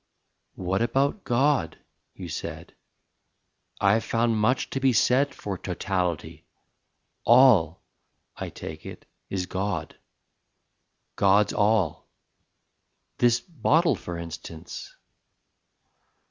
"What about God?" you said. "I have found Much to be said for Totality. All, I take it, is God: God's all This bottle, for instance